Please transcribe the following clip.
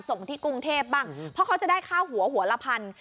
ส่งที่กรุงเทพบ้างเพราะเขาจะได้ค่าหัวหัวละพัน